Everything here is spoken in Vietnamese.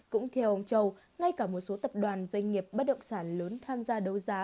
cũng theo ông châu ngay cả một số tập đoàn doanh nghiệp bất động sản lớn tham gia đấu giá